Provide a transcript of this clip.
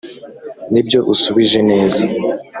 ”nibyo! usubije neza!”